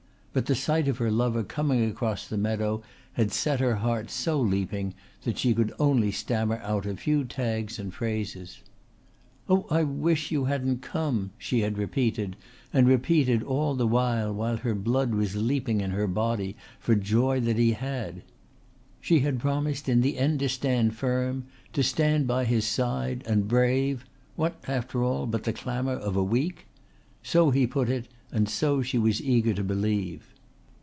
But the sight of her lover coming across the meadow had set her heart so leaping that she could only stammer out a few tags and phrases. "Oh, I wish you hadn't come!" she had repeated and repeated and all the while her blood was leaping in her body for joy that he had. She had promised in the end to stand firm, to stand by his side and brave what, after all, but the clamour of a week? So he put it and so she was eager to believe.